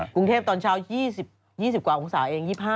กรุงเทพตอนเช้า๒๐กว่าองศาเอง๒๕